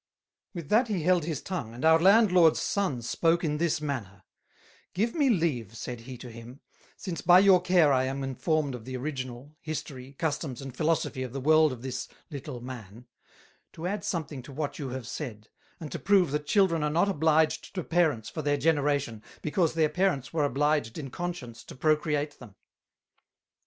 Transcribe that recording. With that he held his tongue, and our Landlord's Son spoke in this manner: "Give me leave," said he to him, "since by your care I am informed of the Original, History, Customs, and Philosophy, of the World of this little Man; to add something to what you have said; and to prove that Children are not obliged to Parents for their Generation, because their Parents were obliged in Conscience to procreate them.